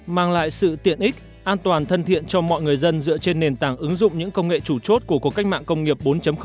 mang lại sự tiện ích an toàn thân thiện cho mọi người dân dựa trên nền tảng ứng dụng những công nghệ chủ chốt của cuộc cách mạng công nghiệp bốn